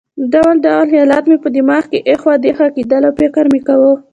ډول ډول خیالات مې په دماغ کې اخوا دېخوا کېدل او فکر مې کاوه.